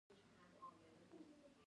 نیکه له ملګرو سره ناستې خوښوي.